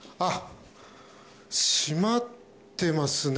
閉まってますね。